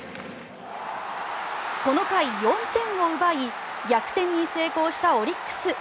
この回、４点を奪い逆転に成功したオリックス。